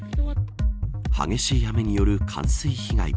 激しい雨による冠水被害。